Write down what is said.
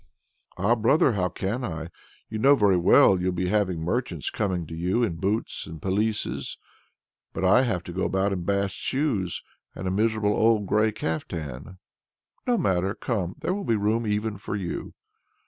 "Ah, brother! how can I? you know very well you'll be having merchants coming to you in boots and pelisses, but I have to go about in bast shoes and a miserable old grey caftan." "No matter, come! there will be room even for you."